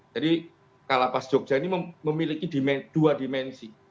jadi klafas jogja ini memiliki dua dimensi